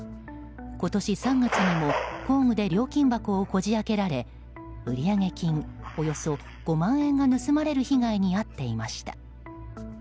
今年３月にも工具で料金箱をこじ開けられ売上金およそ５万円が盗まれる被害に遭っていました。